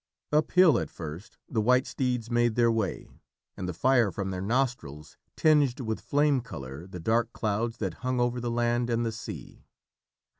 Uphill at first the white steeds made their way, and the fire from their nostrils tinged with flame colour the dark clouds that hung over the land and the sea.